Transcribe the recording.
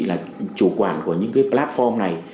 là chủ quản của những cái platform này